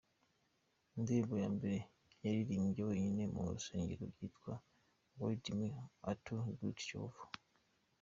Indirimbo ya mbere yaririmbye wenyine mu rusengero yitwaga Guide me, O Thou Great Jehovah.